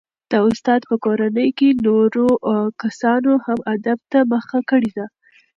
د استاد په کورنۍ کې نورو کسانو هم ادب ته مخه کړې ده.